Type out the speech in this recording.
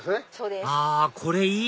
あこれいい！